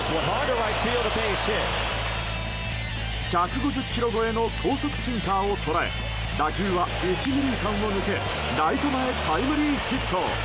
１５０キロ超えの高速シンカーを捉え打球は１、２塁間を抜けライト前タイムリーヒット！